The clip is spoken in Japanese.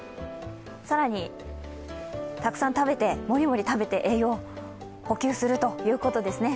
更に、たくさん食べてもりもり食べて栄養を補給するということですね。